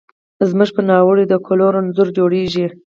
زموږ په ناړو د کلو رنځور جوړیږي